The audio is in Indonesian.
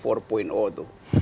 apa itu empat itu